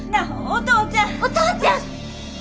お父ちゃん！